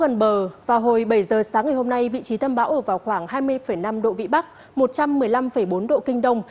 hồi bảy giờ sáng ngày hôm nay vị trí tâm bão ở vào khoảng hai mươi năm độ vĩ bắc một trăm một mươi năm bốn độ kinh đông